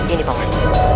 ini pak wan